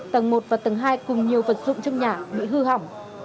tầng một và tầng hai cùng nhiều vật dụng trong nhà bị hư hỏng